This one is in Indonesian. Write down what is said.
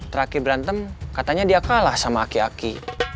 terakhir berantem katanya dia kalah sama aki aki